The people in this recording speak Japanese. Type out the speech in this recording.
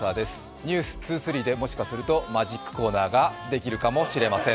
「ｎｅｗｓ２３」でもしかするとマジックコーナーができるかもしれません。